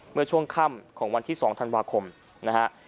เมื่อช่วงค่ำของวันที่๒ธันวาคมนะฮะ